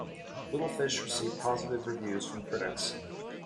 "Little Fish" received positive reviews from critics.